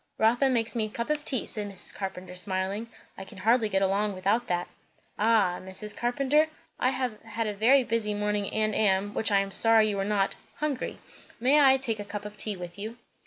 "Rotha makes me a cup of tea," said Mrs. Carpenter smiling. "I can hardly get along without that." "Ah! Mrs. Carpenter, I have had a busy morning and am which I am sorry you are not hungry. May I take a cup of tea with you?"